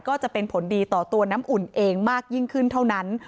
ก็จะเป็นผลดีต่อตัวน้ำอุ่นเองมากยิ่งขึ้นเท่านั้น